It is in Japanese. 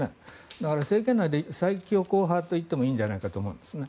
だから政権内で最強硬派といってもいいんじゃないですかね。